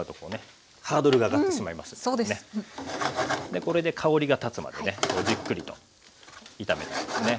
でこれで香りがたつまでねじっくりと炒めてですね。